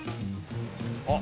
あっ。